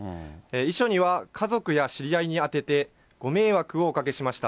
遺書には家族や知り合いに宛てて、ご迷惑をおかけしました。